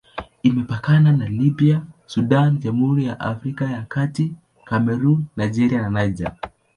Imepakana na Libya, Sudan, Jamhuri ya Afrika ya Kati, Kamerun, Nigeria na Niger.